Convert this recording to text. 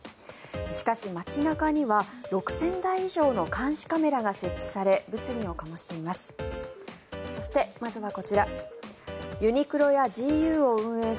しかし、街中には６０００台以上の監視カメラが設置され物議を醸しています。